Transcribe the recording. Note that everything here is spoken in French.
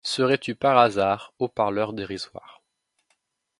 Serais-tu par hasard, ô parleur dérisoire